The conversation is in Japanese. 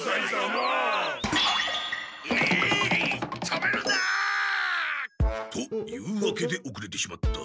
止めるな！というわけでおくれてしまった。